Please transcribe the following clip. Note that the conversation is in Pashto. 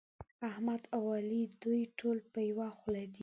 احمد او علي دوی ټول په يوه خوله دي.